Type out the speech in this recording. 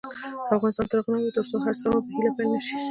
افغانستان تر هغو نه ابادیږي، ترڅو هر سهار مو په هیله پیل نشي.